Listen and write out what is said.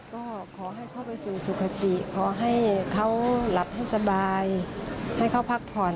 ก็ขอให้เขาไปสู่สุขติขอให้เขาหลับให้สบายให้เขาพักผ่อน